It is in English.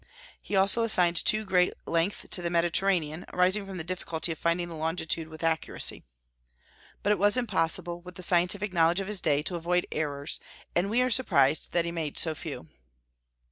He also assigned too great length to the Mediterranean, arising from the difficulty of finding the longitude with accuracy. But it was impossible, with the scientific knowledge of his day, to avoid errors, and we are surprised that he made so few.